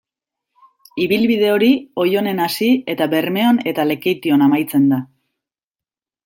Ibilbide hori Oionen hasi eta Bermeon eta Lekeition amaitzen da.